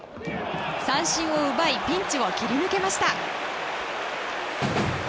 三振を奪いピンチを切り抜けました。